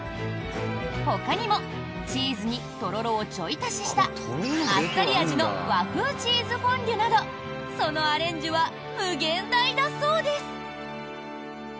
ほかにも、チーズにとろろをちょい足ししたあっさり味の和風チーズフォンデュなどそのアレンジは無限大だそうです。